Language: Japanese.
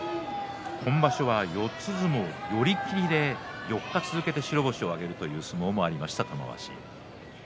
今場所は四つ相撲寄り切りで４日続けて白星を挙げるという相撲もありました玉鷲。